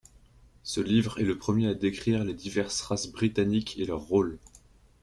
Ce livre est le premier à décrire les diverses races britanniques et leur rôle.